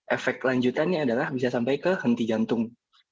efek lanjutannya adalah bisa sampai ke henti jantung